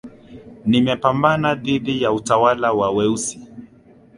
nimepambana dhidi ya utawala wa weusi